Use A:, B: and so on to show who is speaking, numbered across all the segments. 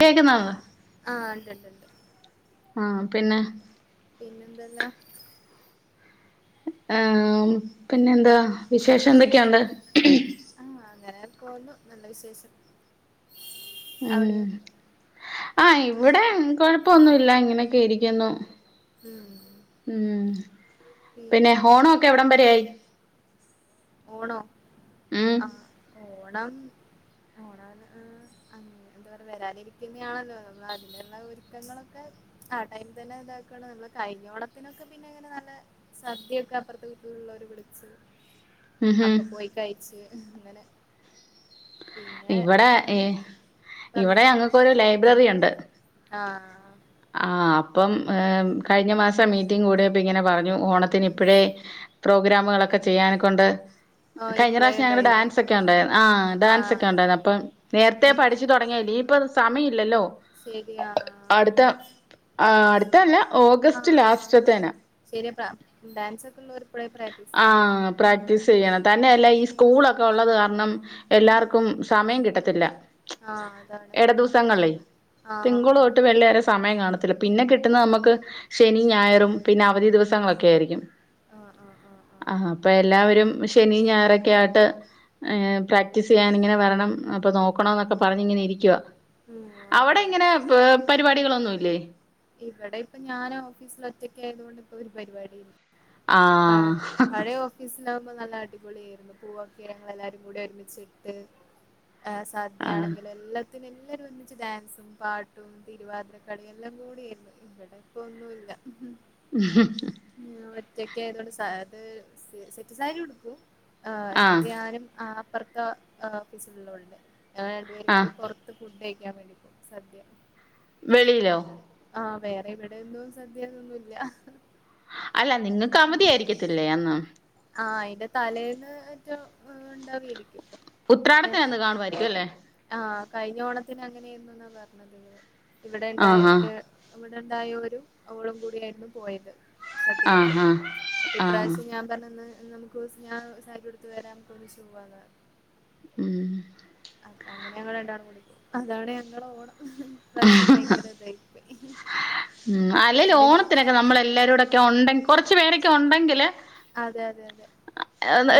A: കേക്കുന്നാവോ
B: ആ ണ്ട്
A: ആ പിന്നെ
B: പിന്നെ എന്തല്ലാ
A: ആ പിന്നെ എന്താ വിശേഷം എന്തൊക്കെയുണ്ട്
B: ങ്ങനെ പോന്നു നല്ല വിശേഷം
A: ഉം
B: അവിടെയോ
A: ആ ഇവിടെ കൊഴപ്പൊന്നുല്ല ഇങ്ങനെയൊക്കെ ഇരിക്കുന്നു
B: ഉം.
A: ഉം പിന്നെ ഹോണൊക്കെ എവിടം വരെയായി
B: ഓണോ
A: ഉം
B: ആ ഓണം ഓണം എന്താ പറ വരാനിരിക്കുന്ന ആണല്ലോ നമ്മൾ അതിനുള്ള ഒരുക്കങ്ങളൊക്കെ ആ ടൈമിൽ തന്നെ ഇതാക്കാണ് നമ്മ കഴിഞ്ഞ ഓണത്തിനൊക്കെ പിന്നെ അങ്ങനെ നല്ല സദ്യൊക്കെ അപ്പുറത്തെ വീട്ടിലുള്ളവര് വിളിച്ചു
A: ഉം ഹും
B: അപ്പൊ പോയി കയിച്ച് അങ്ങനെ പിന്നെ
A: ഇവിടെ ഏ
B: ഉം,
A: ഇവിടെ
B: പറഞ്ഞു
A: ഞങ്ങക്കൊരു ലൈബ്രറിയൊണ്ട്
B: ആ
A: ആ അപ്പം കഴിഞ്ഞ മാസം മീറ്റിംഗ് കൂടിയപ്പയിങ്ങനെ പറ ഞ്ഞു
B: ഉം.
A: ഓണത്തിനിപ്പഴേ ഫ്രോ ഗ്രാമുകളൊക്കെ ചെയ്യാന കൊണ്ട്
B: ഓ
A: കഴിഞ്ഞ
B: ഇപ്പളേ
A: പ്രാവശ്യം ഞങ്ങടെ
B: ഇതായില്ലേ
A: ഡാൻസെക്കെ ഉണ്ടായിരു ആ ഡാൻസെക്കെ
B: ആഹ്
A: ഉണ്ടായിരുന്ന് അപ്പം നേരത്തെ
B: ഉം
A: പഠിച്ചു തുടങ്ങിയല്ല ഈപ്പ സമയയില്ലല്ലോ
B: ശരിയാ ആ
A: ആ അടുത്തല്ല ഓഗസ്റ്റ് ലാസ്റ്റത്തേനാ
B: [unintelligible] ഡാൻസൊക്കെയുള്ളോർ
A: ആ പ്രാക്ടീസ് ചെയ്യണം തന്നെയല്ല ഈ സ്കൂളൊക്കെ ഒള്ളത് കാരണം
B: ഉം
A: എല്ലാർക്കും സമയം കിട്ടത്തില്ല
B: ആഹ് അതാണ്
A: എട ദിവസങ്ങൾലേയ് തിങ്കുള്
B: ആഹ്
A: തൊട്ട് വെള്ളി വരെ സമയം കാണ ത്തില്ല. പിന്നെ കിട്ട്ന്ന് നമക്ക് ശനിം ഞായറും പിന്നെ അവധി ദിവസങ്ങളൊക്കെയായിരിക്കും
B: ആഹ് ആഹ് ആഹ് ആഹ്
A: അഹ അപ്പ എല്ലാവരും ശനി ഞായറൊക്കെ ആട്ട്, ഏഹ് പ്രാക്ടീസ് ചെയ്യാനിങ്ങനെ വരണം അപ്പ നോക്കണോന്നൊക്കെ പറഞ്ഞ് ഇങ്ങനെ ഇരിക്കുവ.
B: ഉം
A: അവടെ
B: അതെ
A: ഇങ്ങനെ പ് പരിപാടികളൊന്നു ഇല്ലേ?
B: ഇവടെയിപ്പ ഞാന് ഓഫീസിൽ ഒറ്റയ്ക്കായതുകൊണ്ട് ഇപ്പൊരു പരിപാടി
A: ആ
B: പ പഴേ ഓഫീസിലാ മ്പൊ നല്ല അടിപൊളിയായിരുന്നു. പൂവൊക്കെ ഞങ്ങളെല്ലാരും കൂടി ഒരുമിച്ചിട്ട്, ആ
A: ആ
B: സദ്യയാണെങ്കില് എല്ലാം, ത്തിന് എല്ലാരും ഒരുമിച്ച് ഡാൻസും പാട്ടും തിരുവാതിരകളിയും എല്ലാ കൂ [unintelligible] ഇവിടെപ്പൊ ഒന്നുല്ലാ. ഒറ്റക്കായതോണ്ട് സ അത് സ് സെറ്റ് സാരി ഉടുക്കും. ആ എന്നിട്ട് ഞാനും ആ പ്പർത്ത ആ ഓഫീസില്ള്ളോൾണ്ട്. ഞങ്ങ രണ്ടുപേരും
A: ആ
B: കൂടി പൊറത്ത് ഫുഡ് കയിക്കാൻ വേണ്ടി പോം സദ്യ
A: വെളിലോ
B: ആ വേറെ ഇവിടെയെന്നും സദ്യന്നൊന്നുവില്ല
A: അല്ല നിങ്ങക്ക് അവധി ആരിക്കത്തില്ലേ അന്ന്
B: ആഹ് അയിന്റെ തലേന്ന് മറ്റോ ഇണ്ടാവേരി
A: ഉത്രാടത്തിനന്ന് കാണുവാരിക്കും അല്ലേ
B: ആഹ് കഴിഞ്ഞ ഓണത്തിന് അങ്ങനെന്നു ന്നാ പറഞ്ഞത് ഇവിടെ
A: ആ
B: ഇണ്ടായ
A: ആ
B: ഏഹ് ഇവിടെണ്ടായ ഒരു ഓളും കൂടിയാരുന്നു പോയത്
A: ആ
B: സദ്യയൊക്കെ അപ്പൊ
A: ആ ആ
B: ഇപ്രാവശ്യം ഞാൻ പറഞ്ഞന്ന് നമുക്ക് ഒസ് ഞാ സാരിയുടുത്ത് വരാം നമുക്ക് ഒന്ന് പോവാന്ന് പറഞ്ഞ്
A: ഉം
B: അപ്പൊ അങ്ങനെ ഞങ്ങ രണ്ടാറും കൂടെ പോം അതാണ് ഞങ്ങടെ ഓണം ഈ പ്രാശ്യംഭയങ്കരതായി [unintelligible]
A: ഉം അല്ലെൽ ഓണത്തിനൊക്കെ നമ്മളെല്ലാരൂടൊക്കെ ഒണ്ടെങ്കി കൊറ് ച്ച് പേരൊക്കെ ഒണ്ടങ്കില്
B: അതെ അതെ- അതെ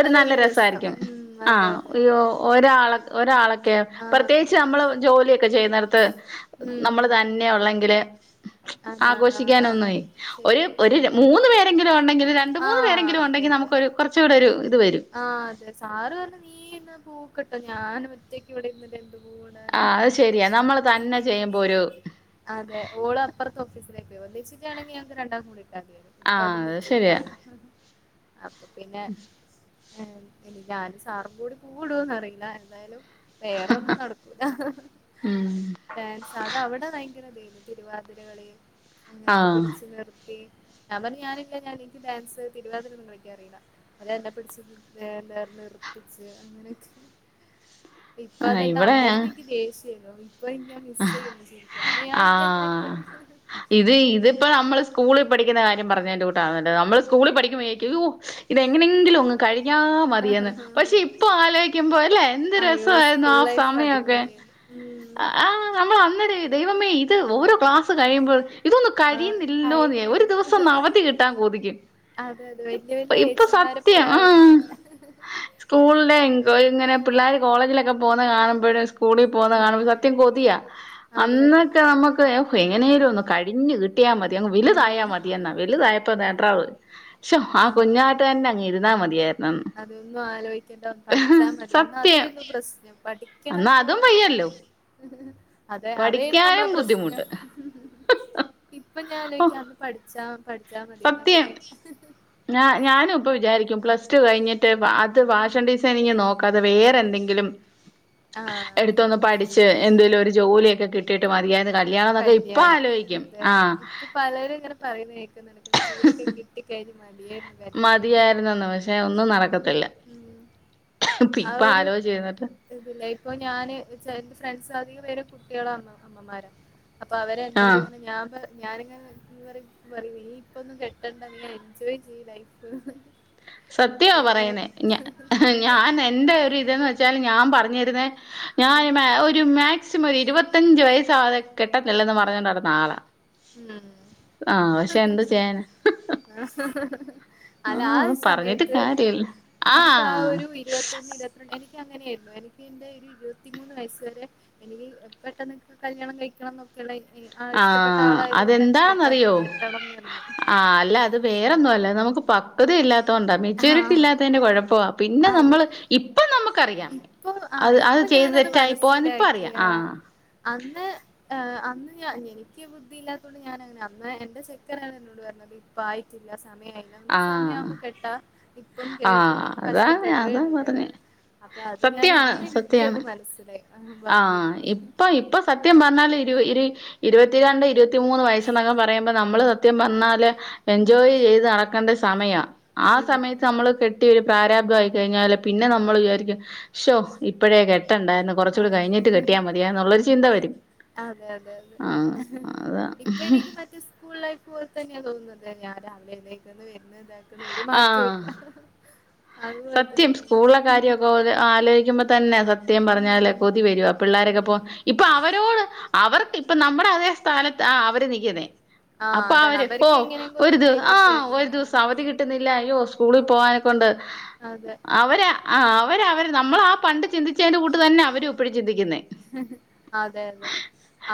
A: ഒരു നല്ല
B: രസം
A: രസായിരിക്കും
B: ഉം
A: ആ
B: അതെ അതെ
A: യ്യോ ഒരാ ഒരാളേ- കെ
B: ആഹ്
A: പ്രത്യേകിച്ച്
B: അതെ
A: നമ്മള് ജോലിയൊക്കെ ചെയ്യുന്ന ത്ത്-
B: ഉം
A: നമ്മള് തന്നെയൊള്ളെങ്കില്-
B: അതാണ് ആഹ്
A: ആഘോഷിക്കാനൊന്ന് വേ ഒരു
B: ശരിയാ
A: ഒരു മൂന്ന് പേ എങ്കിലോ ഉണ്ടങ്കിൽ- ഒരു രണ്ട് മൂന്ന്
B: ആഹ് അതെ
A: പേരെങ്കിലുണ്ടെങ്കിൽ
B: അതെ
A: നമുക്കോരു- [unintelligible]
B: ആഹ് അതെ സാറ് പറഞ്ഞ നീ ഇന്ന് പോ- ക്ടോ ഞാനും ഒറ്റക്ക് ഇവിടെ [unintelligible]
A: ആഹ് അത് ശെരിയാ നമ്മൾ തന്നെ ചെയ്യുമ്പോ ഒരു-
B: ര്വിച്ചിട്ടാണങ്കിൽഞങ്ങക്ക് രണ്ടാക്കും കിട്ടും- അതെ ഇപ്പൊ അതും
A: ആഹ് അത്
B: പറ്റൂല-
A: ശരിയാ
B: അപ്പൊ പിന്നെ- ഇ ഞാൻ സാറ കൂടി കൂടുംന് അറിയില്ല എന്തായാലും വേറൊന്നും നടക്കൂല
A: ഉം
B: ഡാൻസ് അതവിടെ ഭയങ്കര [inaudible] തിരുവാതിരകളി അങ്ങനെക്കെ
A: ആഹ്
B: പിടിച്ചു നിർത്തി ഞ പറഞ്ഞ ഞാനില്ല ഞാൻ എനിക്ക് ഡാൻസ് തിരുവാതിരംന്ന്ക്കാ അറിയില്ല അല്ല [unintelligible] ഇപ്പൊ
A: ആഹ്
B: അതെല്ലെ അന്നേരത്തെ
A: ഇവിടെ
B: എനിക്ക് ദേഷ്യ [unintelligible] ഇപ്പ ഞൻ മിസ് ചെയ്യുന്ന ശരിക്ക ഞാനല്ല
A: ആഹ്
B: ഞാൻല്ലന്ന് [inaudible]
A: ഇത് ഇതിപ്പോ നമ്മള് സ്കൂളിൽ [unintelligible] പറഞ്ഞതിന്റെ കൂട്ടാ നമ്മള് സ്കൂളിൽ പഠിക്ക് [unintelligible] ഇതെങ്ങനെയെങ്കിലും ഒങ്ങ് കഴഞ്ഞാ മതിയന്ന് പക്ഷെ ഇപ്പ ആലോചിക്കുമ്പോ ല്ലേ എന്ത്
B: അയ്യോ
A: രസായിരുന്നു ആ
B: സ്കൂൾ ലൈഫ്
A: സമയൊക്കെ
B: അടിപൊളിയായിരുന്നു ഉം
A: ആഹ് [unintelligible] ദൈവമേ ഇത് ഓരോ ക്ലാസ് കഴിയുമ്പോൾ ഇതൊന്നും
B: ആഹ് ഹായ്
A: കഴുന്നില്ലോന്ന് ഒരു ദിവസം അവധി കിട്ടാൻ കൊതിക്കും
B: അതെ അതെ വല്യ വല്യ
A: ഇപ്പൊ
B: ഏച്ചിമാരെ പോലെ
A: സത്യം ആ
B: ആവണംന്നൊക്കെ
A: സ്കൂളിലെ ഇങ്ങനെ പിള്ളേർ കോളേജില പോന്ന കാണുമ്പോഴും സ്കൂള [unintelligible]
B: ഉം
A: സത്യം കൊതിയ
B: അതെ അതെ
A: അന്നൊക്കെ നമുക്ക് എങ്ങനെലും കഴി [unintelligible] തിയ മതി [unintelligible]
B: ഉം
A: വലുതായാ മതിയ എന്നാ വലുതായപ്പ [unintelligible]
B: ആ
A: മതിയായിരുന്നന്ന്
B: അതൊന്നും ആലോചിക്കണ്ട പഠിച്ചാ മതി അന്ന്
A: സത്യം
B: അതരുന്നു പ്രശ്നം.
A: എന്നാ
B: പഠിക്കണല്ലോ
A: അതും വയ്യല്ലോ
B: അതെ അതായിരുന്നു
A: പഠിക്കാനും
B: നമ്മളെ പ്രശ്നം
A: ബുദ്ധിമുട്ട്
B: ഇപ്പൊ
A: ഓ
B: ഞലോക്ക അന്ന് പഠിച്ചാം പഠിച്ചാൽ മതി എന്ന എന്നാ
A: സത്യം
B: പിന്നെ
A: ഞാ ഞാനും ഇപ്പ വിചാരിക്കും പ്ലസ് ടു കഴിഞ്ഞിട്ട് അത് ഫാഷൻ ഡിസൈനി നോ ക്ക അത വേറെന്തെങ്കിലും
B: ആഹ്
A: എടുത്തൊന്ന് പഠിച്ച് എന്തെേലും ഒരു ജോലിയൊക്കെ കിട്ടിട്ട് മതിയ
B: കല്യാണം ഉം അതെ അതെ ഇപ്പൊ പലരും ഇങ്ങനെ പറയുന്ന കേൾക്കുന്നുണ്ട് [unintelligible] ജോലിയൊക്കെ കിട്ടി കഴിഞ്ഞ മതിയ യെന്ന കല്യാണന്നെ.
A: മതിയായിരുന്നെന്ന് പക്ഷെ ഒന്നും നടക്കത്തില്ല
B: ഉം ആ
A: ഇപ്പൊ
B: ഒരു
A: ആലോചിച്ച് ഇരുന്നിട്ട്
B: ഇതില്ല ഇപ്പൊ ഞാന് എന്റെ ചെ ഫ്രണ്ട്‌സ് അധികം പേരകുട്ടികളോ അമ്മമാരാ അപ്പൊ അവര് എന്നോട്
A: ആഹ്
B: ഇങ്ങനെ ഞാൻ പ ഞാനിങ്ങനെ ഈ പറിം പറിം നീ ഇപ്പൊന്നും കെട്ടണ്ട നീ എൻജോയ് ചെയ്യ് ലൈഫ്ന്ന്
A: സത്യവാ പറയുന്നെ ഞ ഞാൻ എന്റെ ഒരു ഇതെന്ന് വെച്ചാൽ ഞാൻ പറഞ്ഞുതരുന്നേ ഞാന് മേ ഒരു മാക്സിമംഒരു ഇരുപത്തി പത്തഞ്ചു വയസ്സാവാതെ കെട്ടത്തില്ലെന്ന് പറഞ്ഞോണ്ട് നടന്ന ആളാ
B: ഉം
A: ആഹ് പക്ഷെ എന്ത് ചെയ്യാനാ
B: ആ അതാ
A: ആഹ്
B: ആ
A: പറഞ്ഞിട്ട്
B: സമയത്ത്
A: കാര്യല്ല
B: നമുക്ക് ആ
A: ആഹ്
B: ഒരു ഇരുപത്തൊന്ന് ഇരുപത്ര എനി എനിക്കങ്ങനെയായിരുന്നു എനിക്ക് എന്റെ ഒരു ഇരുപത്തിമൂന്ന് വയസ്സ് വരെ എനിക്ക് പെട്ടെന്ന് കല്യാണം കഴിക്കണം എന്നൊക്കെയുള്ള ആഹ് ഇഷ്ടപ്പെ
A: ആ അതെന്താണെന്നറിയോ
B: എന്നായിരുന്നു
A: ആ അല്ല അത് വേറൊന്നും അല്ല നമുക്ക് പ ക്വത ഇല്ലാത് ത്തോണ്ടാ മെച്യൂരിറ്റി
B: ആഹ്
A: ഇല്ലാത്തതിന്റെ കുഴപ്പവാ പിന്നെ
B: അതെ
A: നമ്മള് ഇപ്പം നമ്മുക്കറിയാം
B: ഇപ്പൊ ആ
A: അത് അത്
B: ഇപ്പൊ
A: ചെയ്ത്
B: ഞാനത്
A: തെറ്റായി പോവാന്ന് ഇപ്പ അറിയാം
B: മനസ്സിലാക്കിയ
A: ആ
B: അന്ന് അന്ന് ഞാ എനിക്ക് ബുദ്ധില്ലാത്തൊണ്ട് ഞാനങ്ങനെ അന്ന് എന്റെ ചെക്കനാണ് എന്നോട് പറഞ്ഞുന്നത് ഇപ്പ ആയിട്ടില്ല സമയായി നമുക്ക്
A: ആഹ്
B: സമയാവുമ്പോ കെട്ടാ ഇപ്പം കെ-
A: ആഹ്
B: കെട്ടി
A: അതാണ്
B: കഷ്ടപ്പെടുവേ
A: അതാ
B: ഉള്ളൂന്ന്
A: പറഞ്ഞെ
B: അപ്പൊ അത് ഞാൻ
A: സത്യാണ്
B: ഇന്ന് എനിക്ക് അത്
A: സത്യാണ്
B: മനസ്സിലായി അവൻ പറഞ്ഞത്
A: ആഹ് ഇപ്പൊ ഇപ്പൊ സത്യം പറഞ്ഞാല് ഇരു ഇരി ഇരുപത്തിരണ്ട് ഇരുപത്തി മൂന്ന് വയസ്സസ്ന്നൊക്കെ പറയുമ്പോൾ നമ്മൾ സത്യം പറഞ്ഞാല്
B: ഉം
A: എൻജോയ് ചെയ്ത് നട ക്കണ്ട സമയാ ആ സമയത്ത്
B: ഉം
A: നമ്മള് കെ ട്ടി ഒരു പ്രാരാബ്ധമായിയിക്കഴിഞ്ഞാല് പിന്നെ നമ്മൾ വിചാരിക്കും ഷോ ഇപ്പഴേ കെ ട്ടണ്ടായിരുന്നു കൊറച്ചുകൂടി കഴിഞ്ഞിട്ട്
B: അതെ
A: കെട്ടിയാ മതിയ എന്നുള്ളൊരു ചിന്ത വരും
B: അതെ അതെ
A: ആ
B: അതെ
A: അതാ
B: ഇപ്പൊ എനിക്ക് മറ്റേ സ്കൂൾ ലൈഫ് പോലെ തന്നെയാ തോന്നുന്നത് ഞാൻ രാവിലെ എഴുന്നേക്കുന്ന് വരുന്ന് ഇതാ ക്കുന്നു ഒരു മാറ്റോ ഇല്ല
A: ആഹ്
B: അതുപോലെ
A: സത്യം
B: തന്നെയാണ്
A: സ്കൂളില കാര്യവൊക്കെ ആലോചിക്കുമ്പോ തന്നെ സത് ത്യം പറഞ്ഞാല്
B: ഉം
A: കൊതി വരുവാ പിള്ളേരൊക്കെ പോ
B: ഉം
A: ഇപ്പൊ അവരോട് അവർ ഇപ്പൊ നമ്മുടെ അതേ സ്ഥാനത്ത് ആ അവര് നിക്ക്ന്നേ
B: ആഹ്
A: അപ്പൊ
B: അതാണ്
A: അവര് ഓ
B: അവർക്ക് എങ്ങനെയെങ്കിലും
A: ഒരു
B: ഒന്ന്
A: ദി
B: കൈ കിട്ടിയാ
A: ആഹ് ഒരു
B: മതിയെന്നാ
A: ദിവസം അവധി
B: ഉം
A: കിട്ടുന്നില്ല അയ്യോ സ്കൂളിൽ പോവാനെ കൊണ്ട്
B: അതെ
A: അവര് അവര അവരെ നമ്മള ആ പണ്ട് ചിന്തിച്ചതിന്റെ കൂട്ട് തന്നാ അവരും ഇപ്പഴും ചിന്തിക്കുന്നെ
B: അതെ അതെ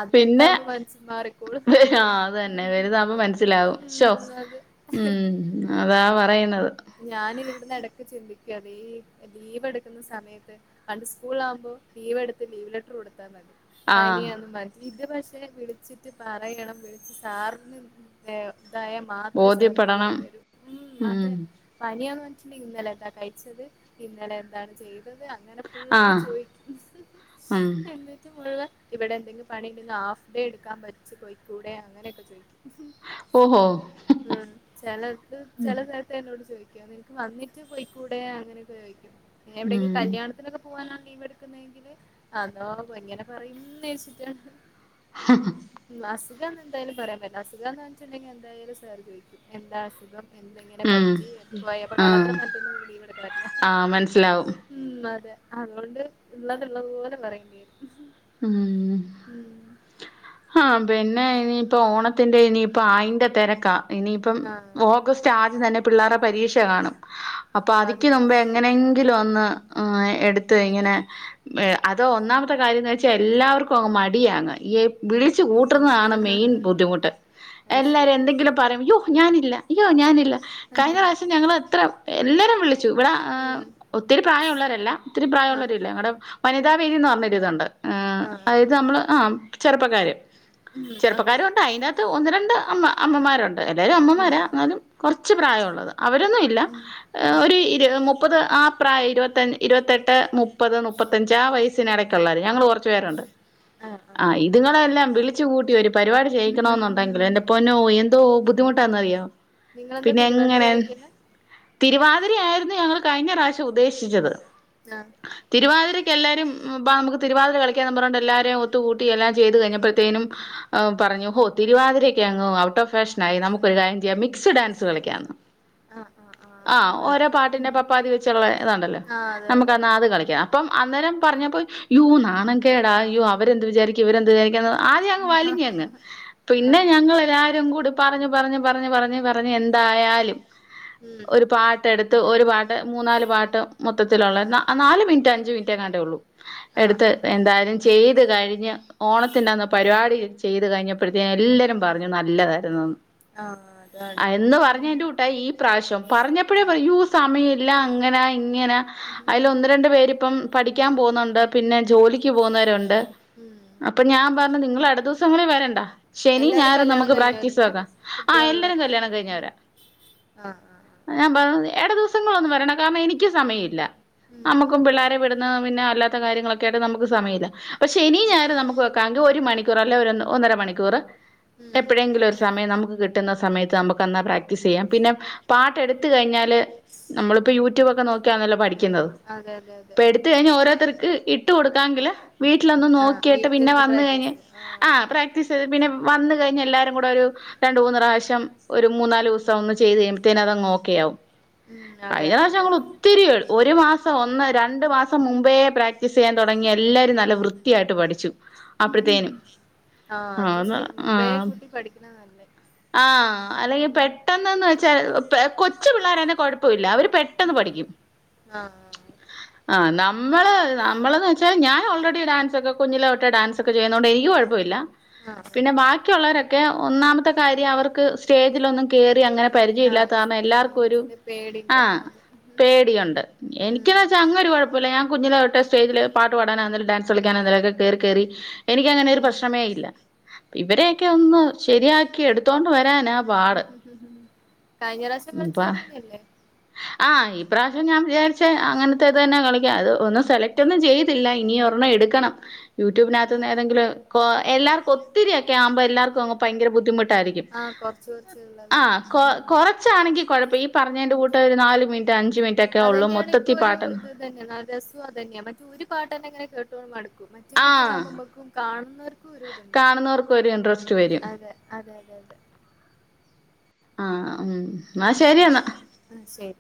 B: അത്
A: പിന്നെ
B: വലുതാവുമ്പോ മനസ് മാറിക്കോളും
A: ആ അത് തന്നെ വലുതാവുമ്പോ മനസ്സിലാവും ശോ
B: ഉ അത്
A: ഉം അതാ പറയുന്നത്
B: ഞാനിവിടന്ന് ഇടക്ക് ചിന്തിക്ക ഈ ലീവ് എടുക്കുന്ന സമയത്ത് പണ്ട് സ്കൂളിലാവുമ്പോ ലീവ് എടുത്ത് ലീവ് ലെറ്റർ കൊടുത്താ മതി
A: ആ
B: പനിയാന്നും പറഞ്ഞിട്ട് ഇത് പ പക്ഷെ വിളിച്ചിട്ട് പറയണം വിളിച്ച് സാറിന് ഇതായ മാത്രെ സാറ് ലീവ്
A: ബോധ്യപ്പെടണം
B: തരു ഉം അതെ പനിയന്ന് വെച്ചിട്ടുണ്ടെിൽ ഇന്നലെ എന്താ കഴിച്ചത് ഇന്നലെ എന്താണ് ചെയ്യുന്നത് അങ്ങനെ പുള്ള
A: ആ
B: ചോദിക്കുന്നു
A: ഉം
B: എന്നിട്ട് മുഴുവൻ ഇവിടെ എന്തെങ്കും പണിണ്ടെങ്കിൽ ഹാഫ് ഡേ എക്കാൻ പറ്റിു പോയിക്കൂടെ അങ്ങനെയൊക്കെ ചോദിക്കു
A: ഓഹോ
B: ഉം ചെല ോട് ചോദിക്ക നിനക്ക് വന്നിട്ട് പോയിക്കൂടെ അങ്ങനൊക്കെ ചോദിക്കാം
A: ഉം
B: എവിടയക്കെ കല്യാണത്തിനൊക്കെ പോവാനാണ് എടുക്കുന്നെങ്കില് അതോ ഇങ്ങനെ പറയുന്ന വെച്ചിട്ടാണ് നസ [unintelligible] എന്തായാലും പറയാൻ പറ്റ അസുഖ എന്ന്ച്ചിട്ടണ്ടെങ്കിൽ എന്തായാലും സർ ചോദിക്കും എന്താ അുഖം എന്തെങ്കിലും
A: ഉം
B: പറ്റി പോയ അപ്പൊ കളളത്തരം
A: ആഹ്
B: ത്ത്മറ്റൊന്നും ലീവ എടുക്ക വറ്റ
A: ആഹ് മനസ്സിലാവും
B: ഉ അതെ അതുകൊണ്ട് ഉള്ളത് ഉള്ളത്പോലെ പറയേണ്ടി വരും
A: ഉം
B: ഉം
A: ആഹ് പിന്നെ ഇനിയിപ്പ ഓണത്തിന്റെ ഇനിയിപ്പ അയിന്റെ തിരക്കാ ഇനിയിപ്പം
B: ആഹ്
A: ഓഗസ്റ്റ് ആദ്യം തന്നെ പിള്ളേരുടെ പരീക്ഷ കാണും അപ്പൊ
B: പോവാതെ
A: അതിക്ക് മുമ്പ്
B: കഴിഞ്ഞിട്ടേ
A: എങ്ങനെങ്കിലും ഒന്ന് ആ എടുത്ത് ഇങ്ങനെ അതോ ഒന്നാമത്തെ കാര്യംന്ന് വ എല്ലാവർക്കും മടിയാണ്ഈ വിളിച്ചു കൂട്ടുന്നതാണ് മെയിൻ ബുദ്ധിമുട്ട്
B: അത്
A: എല്ലാരും
B: ശരി
A: എന്തെങ്കിലും പറയംയ്യോ ഞാനില്ല അയ്യോ ഞാനില്ല കഴിഞ്ഞ പ്രാവശ്യം ഞങ്ങൾ അത്ര എല്ലാരും വിളിച്ചു ഇവിടെ
B: ഉം
A: ഒത്തിരി പ്രായമള്ളവരല്ല ഒത്തിരി
B: ആഹ്
A: പ്രായമുള്ളവരല്ലേ ഞങ്ങളടെ വനിതാ വേദി എന്ന് പറഞ്ഞരുതുണ്ട് ആ്
B: ആഹ്
A: അതത് നമ്മള് ആഹ ചെറുപ്പകാര്
B: ആഹ് ഉം അതെ
A: ചെറുപ്പക്കാര ഉണ്ട് അയിതിനകത്ത് ഒന്ന് രണ്ട് അമ്മ അമ്മമാരുണ്ട് എല്ലാരും
B: ഉം
A: അമ്മമാര എന്നാലും കുറച്ച കുറച്ച് പ്രായമുള്ളത് അവരൊന്നുമ ഇല്ല
B: ഉം ആഹ്
A: ഒരു ഇരു മുപ്പത് ആ രുപ ഇരുപത്തെട്ട് മുപ്പത് മുപ്പത്തഞ്ച് ആ വയസിന് ഇടക്കുള്ളള്ള ഞങ്ങ് ചെയ്യാറുണ്ട്
B: ആഹ്
A: ആ
B: ആഹ് ആഹ്
A: ഇതുങ്ങളെല്ലാം വിളിച്ചു കൂട്ടി ഒരു പരിപാടി ചെയ്യിക്കണോന്നുണ്ടെങ്കില് എന്റെ പൊന്നോ എന്തോ ബുദ്ധിമുട്ടാന്നറിയോ
B: നിങ്ങളെന്താ
A: പിന്നെ
B: തിരുവാതിര
A: എങ്ങനെ
B: കളിക്കുന്നെ
A: തിരുവാതിര ആയിരുന്നു ഞങ്ങള് കഴിഞ്ഞ റാശ്യ ഉദ്ദേശിച്ചത്
B: ആ
A: തിരുവാതിരക്ക് ക്കെല്ലാരും ബാ നമുക്ക് തിരുവാതിര കളി യ്ക്കാന്നും പറഞ്ഞോണ്ട് എല്ലാരും ഒത്തു കൂട്ടി എല്ലാം ചെയ്ത് കഴിഞ്ഞപ്പോഴ്ത്തേനും ആ പറഞ്ഞു ഹോ തിരുവാതിരൊക്കെ അങ്ങ് ഔട്ട് ഓഫ് ഫാഷനായി നമുക്കൊരു കാര്യം ചെയ്യാ മിക്സ് ഡാൻസ്കളിക്കാന്ന്
B: ആ ആ
A: ആ
B: അത് കൊള്ളാം
A: ഓരോ പാട്ടിന്റെ
B: ഉം
A: പപ്പാതി വെച്ചുള്ള ഇതുണ്ടല്ലോ
B: ആ അതെ അതെ
A: നമുക്കന്ന് അത്
B: നല്ലത്
A: കളിക്കാം അപ്പം അന്നേരം പറഞ്ഞപ്പോ യൂ നാണൻ കേടാ അയ്യോ അവരെന്ത് വിചാരിക്കും ഇവരെന്ത് വിചാരിക്കാന്ന് ആദ്യ അങ്ങ് വലിഞ്ഞങ്ങ്
B: ആ
A: പിന്നെ ഞങ്ങളെല്ലാരും കൂടി പറഞ്ഞ് പ പറഞ്ഞ് പറഞ്ഞ് പറഞ്ഞ് പറഞ്ഞ് എന്തായാലും
B: ഉം
A: ഒരു പാട്ടെടുത്ത് ഒരു പാട്ട് ടെ മൂന്നാല് പാട്ട് മൊത്തത്തിലുള്ളത്
B: ആ
A: നാല് മിൻറ്റ് അഞ്ച് മിൻറ്റ് ട്ടെങ്ങാണ്ടേ ഉള്ളൂ
B: ആ
A: എടുത്ത് എന്തായാലും ചെയ്ത് കഴിഞ് ഓണത്തിന്റെ അന്ന് പരിപാടി ചെയ്ത് കഴിഞ്ഞപ്പഴത്തേന് എല്ലരും പറഞ്ഞു നല്ലതായിരുന്നുന്ന്
B: ആ അതാണ്
A: അ എന്ന് പറഞ്ഞയിന്റെറെ കൂട്ട ഈ പ്രാവശ്യം പറഞ്ഞപ്പോഴേ
B: ആ
A: യോ സമയ ഇല്ല ങ്ങനായി ഇങ്ങനെ അയില് ഒന്ന്
B: ഉം
A: രണ്ട് പേര് പ്പം പഠിക്കാൻ പോഉന്നുണ്ട് പിന്നെ ജോലി ക്ക് പോകുന്നവരുണ്ട്
B: ഉം
A: അപ്പൊ ഞാൻ പ നിങ്ങളെ ടദിവസങ്ങളി വരണ്ട ശനി
B: എല്ലാരും
A: ഞായറും
B: കല്യാണം
A: നമുക്ക് പ്രാക്ടീസ്
B: കഴിഞ്ഞവരന്നെയാ
A: വെക. ആ എല്ലരും
B: കുട്ടികളുള്ളവര്
A: കല്യാണം
B: ഉം
A: കഴിഞ്ഞവരാ.
B: ആ ആ ആ
A: ഞാൻ പറഞ് ഏട ദിവസങ്ങളൊന്നു വരണം കാരണം എനിക്ക് സമയില്ല
B: ഉം
A: നമ്മുക്കും
B: അതെ
A: പിള്ളേരെ
B: അതെ
A: വിടുന്ന പിന്നെ അല്ലാത്ത കാര്യങ്ങളൊ കേട് നമു വ് സമയല്ല പക്ഷേ ഇനി ഞായറ് നമുക്ക് വെക്കാങ്കി ഒരു മണി ക്കൂറെല്ലെ ഒര് ഒന്നര മണിക്കൂറ്
B: ഉം
A: എപ്പഴെങ്കിലും ഒരു സമയം നമുക്ക് കിട് കിട്ടുന്ന സമയത്ത് നമുക്ക്ന്നാ പ്രാക്ടീസെയ്യാം പിന്നെ പാട്ട് എടുത്ത് കഴിഞ്ഞാല് നമ്മളിപ്പോ യൂട്യൂബ് ഒക്കെ നോക്കിയാണല്ലോ
B: ആഹ്
A: പഠിക്ന്നത്
B: അതെ അതെ അതെ
A: ഇപ്പ എടുത്ത് കഴിഞ്ഞാ ഓരോര്ത്തർക്ക് ഇട്ട് കൊടു താങ്കളെ വീട്ടിലൊന്നും
B: ആഹ്
A: നോക്കീട്ട് പിന്നെ
B: വീട്ടിൽന്ന്
A: വന്ന് കഴ്ഞ്ഞ്
B: പ്രാക്ടീസ്
A: ആഹ് പ്രാക്ടീസയ്ത് [unintelligible] പിന്നെ വന്നു കഴിഞ്ഞ് എല്ലാരും കൂടെ ഒരു രണ്ടു മൂന്ന്റാശ്യം ഒരു മൂന്നാല് വസം ഒന്ന് ചെയ്ത് കഴുമ്പോത്തേന് അതങ്ങ് ഓക്കെയാവും
B: ഉം അതെ
A: കഴിഞ്ഞ
B: അതെ
A: പ്രാവശ്യം
B: അതെ
A: ഞങ്ങൾ ഒത്തിരി ഒരു മാസം ഒന്നര രണ്ടു മാസം മുമ്പേ പ്രാക്ടീസ് ചെയ്യാൻ തുടങ്ങി എല്ലാരും നല്ല വൃത്തിയായിട്ട് പഠിച്ചു അപ്പഴത്തേനും
B: [inaudible] ആഹ് അത്
A: ആന്ന്
B: ശരി മുമ്പേ കൂട്ടി പഠിക്ക്ണ നല്ലേ
A: ആഹ് അല്ലെങ്കി
B: ഉം
A: പെട്ടെന്നെന്ന് വെച്ചാൽ പ്പെ കൊച്ചു പിള്ളേരാന്നെ കൊഴപ്പൊല്ല അവര് പെട്ടെന്ന് പഠിക്കും
B: ആഹ്
A: ആഹ് നാ മ്മള് നമ്മളെന്ന് വെച്ചാൽ ഞാൻ ഓൾറെഡി ഡാൻസൊക്കെ കുഞ്ഞിലെഒട്ടെ ഡാൻസൊക്കെ ചെയ്യുന്നോണ്ട് എനിക്ക് കൊഴപ്പൊല്ല
B: ആഹ്
A: പിന്നെ
B: ആഹ്
A: ബാക്കിയുള്ളവരൊക്കെ ഒന്നാമ ത്തെ കാര്യം അവർക്ക് സ്റ്റേജിലൊന്നും കേയറി അങ്ങനെ പരിചയ
B: ആഹ്
A: ഇല്ലാത്താവുമ്പം എല്ലാർക്കു ഒരു
B: സ്റ്റേജിന്റെ
A: ആ
B: പേടിണ്ടാവും അത് ഉം
A: പേടിയൊണ്ട് എനിക്ക്ന്ന് വെച്ചാ അങ്ങരു കൊഴപ്പൊല്ല ഞാൻ കുഞ്ഞിലെയൊ സ്റ്റേജില് പാട്ട് പാടാനാന്നേലും ഡാൻസ് കളിക്കാനാന്നേലും കേറിക്കേറി എനിക്കങ്ങനെ ഒരു
B: ഉം
A: പ്രശ്നമേ ഇല്ല ഇവരെയൊക്കെ ഒന്ന് ശരിയാ ക്കി എടുത്തോണ്ട് വ
B: ഹും ഹും ഹും ഹും ഹും കഴിഞ്ഞ പ്രാവശ്യം
A: പ്പ
B: കളിച്ചവര് ന്നെല്ലേ
A: ആഹ് ഈ പ്രാവശ്യം ഞാൻ വിചാരിചെ അങ്ങനത്തെ തന്നെ കളിക്കാം അത് ഒന്നും സെലക്ട് ഒന്നും ചെയ്തില്ല ഇനി ഒരെണം ഇടുക്കണം യൂട്യൂബിനകത്ത് നിന്ന്
B: ആഹ്
A: ഏതെങ്കിലും കോ എല്ലാർക്കും ഒത്തിരി ഒക്കെ ആവുമ്പോ എല്ലാർക്കും അങ്ങ് പയങ്കര ബുദ്ധിമുട്ട്
B: ആഹ് കൊറച്ച് കൊറച്ച് ഉള്ളത് ഉം
A: ച്ചാണെങ്കി കൊഴപ്പം ഈ പറഞ്ഞേൻ്റെ കൂട്ട് ഒരു നാല് മിനിട്ട് അഞ്ച് മിൻ
B: അതന്ന്യോണ് ഇപ്പൊരുതനെ രസുതന്നെ മറ്റെ ഒരു പാട്ടന്നെങ്ങനെ കേട്ടു [unintelligible] മറ്റെ
A: ആഹ്
B: മറ്റതാവുമ്പോ മ്മക്കും കാണോ ർക്കും ഒര്ത്ണ്ടാവും
A: കാണുന്നവർക്കും ഒരു ഇൻട്രസ്റ്റ് വരും
B: അതെ അതെ [inaudible]
A: ആഹ് ഉം എന്നാ ശരി എന്നാ
B: [inaudible] സെരി